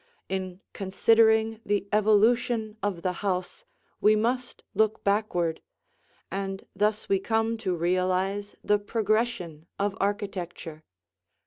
In considering the evolution of the house we must look backward, and thus we come to realize the progression of architecture.